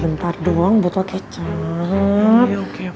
ntar doang butuh kecap